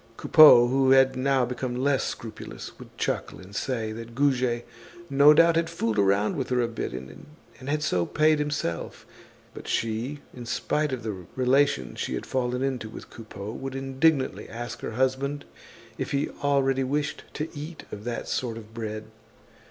Coupeau, who had now become less scrupulous, would chuckle and say that Goujet no doubt had fooled around with her a bit, and had so paid himself. But she, in spite of the relations she had fallen into with Coupeau, would indignantly ask her husband if he already wished to eat of that sort of bread.